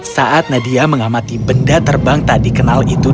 saat nadia mengamati benda terbang tak dikenal itu